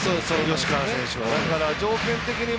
吉川選手は。